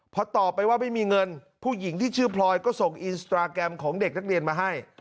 พอตอบไปว่าไม่มีเงินผู้หญิงที่ชื่อพลอยก็ส่งอินสตราแกรมของเด็กนักเรียนมาให้